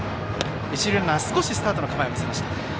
一塁ランナーはスタートの構えを見せていました。